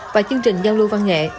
và chương trình giao lưu văn nghệ